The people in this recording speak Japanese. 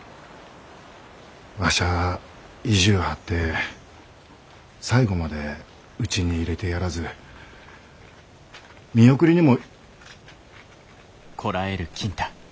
わしゃあ意地ゅう張って最後までうちに入れてやらず見送りにも。